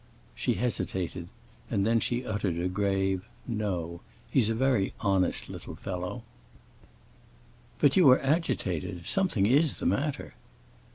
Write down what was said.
She hesitated, and then she uttered a grave "No! he's a very honest little fellow." "But you are agitated. Something is the matter."